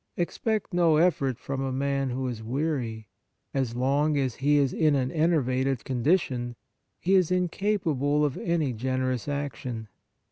Expect no effort from a man who is weary ; as long as he is in an enervated condition, he is incapable of any generous action.